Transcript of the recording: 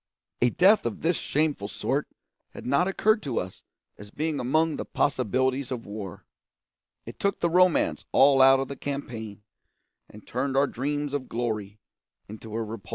A death of this shameful sort had not occurred to us as being among the possibilities of war. It took the romance all out of the campaign, and turned our dreams of glory into a repulsive nightmare.